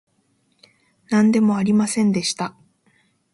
なんでもありませんでした